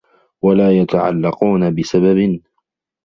وَلَا يَتَعَلَّقُونَ بِسَبَبٍ